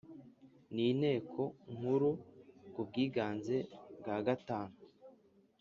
n Inteko Nkuru ku bwiganze bwa gatanu